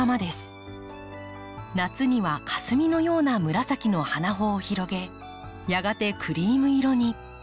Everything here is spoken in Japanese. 夏にはかすみのような紫の花穂を広げやがてクリーム色に。